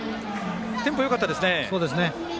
テンポよかったですね。